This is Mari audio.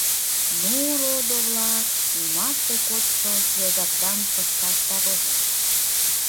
Ну, родо-влак, ӱмаште кодшо йозакдам пышташда возеш.